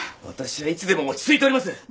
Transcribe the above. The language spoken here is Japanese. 私はいつでも落ち着いております！